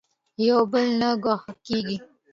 یو بل نه ګوښه کېږي.